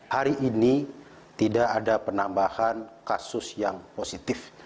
hari ini tidak ada penambahan kasus yang positif